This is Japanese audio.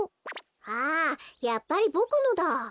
あやっぱりボクのだ。